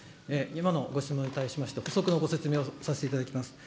今のご質問に対しまして、補足のご説明をさせていただきます。